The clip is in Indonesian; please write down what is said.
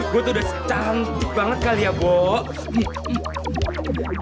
gue tuh udah cantik banget kali ya bok